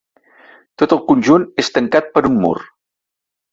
Tot el conjunt és tancat per un mur.